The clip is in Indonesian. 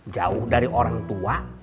jauh dari orang tua